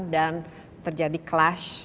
dan terjadi clash